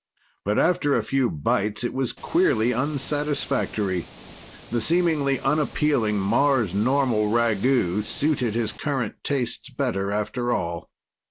But after a few bites, it was queerly unsatisfactory. The seemingly unappealing Mars normal ragout suited his current tastes better, after all.